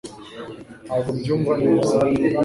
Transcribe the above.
ntabwo mbyumva neza